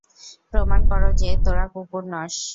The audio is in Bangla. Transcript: প্রমাণ কর যে, তোরা কুকুর নস।